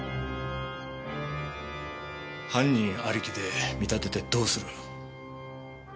犯人ありきで見立ててどうする？